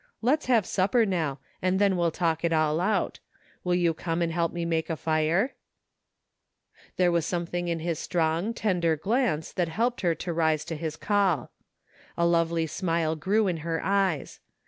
" Let's have supper now, and then we'll talk it all out Will you come and help me make a fire ?" There was something in his strong, tender glance that helped her to rise to his call. A lovely smile grew in her eyes.